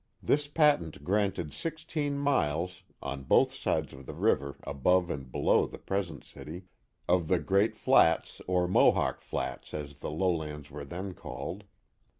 This patent granted sixteen miles (on both sides of the river above and below the present city) of the Great Flats or Mohawk Flats as the lowlands were then called.